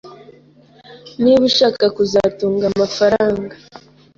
niba ushaka kuzatunga amafaranga.